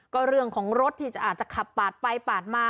ก็เรื่องของรถที่อาจจะขับปาดไปปาดมา